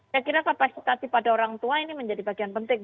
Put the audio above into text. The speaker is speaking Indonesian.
saya kira kapasitas pada orang tua ini menjadi bagian penting